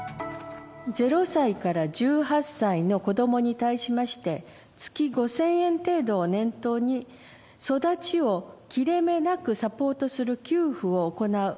０歳から１８歳の子どもに対しまして、月５０００円程度を念頭に、育ちを切れ目なくサポートする給付を行う。